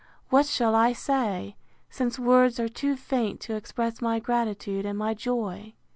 —What shall I say, since words are too faint to express my gratitude and my joy!